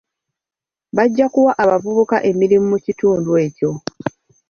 Bajja kuwa abavubuka emirimu mu kitundu ekyo.